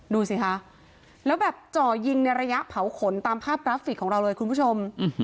ดูสิคะแล้วแบบจ่อยิงในระยะเผาขนตามภาพกราฟิกของเราเลยคุณผู้ชม